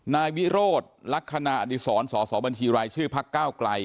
นายวิโรดลักษณะอดีตสรสบัญชีไรชื่อพักเก้าไกร